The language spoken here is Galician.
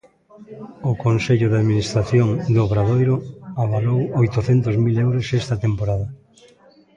O consello de administración do Obradoiro avalou oitocentos mil euros esta temporada.